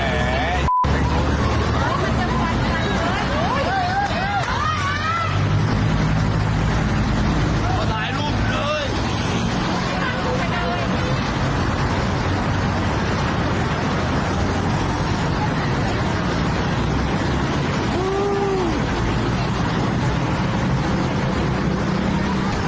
โอ้ยโอ้ยโอ้ยพอถ่ายรูปโอ้ย